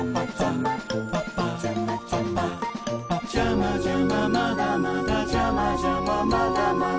「ジャマジャマまだまだジャマジャマまだまだ」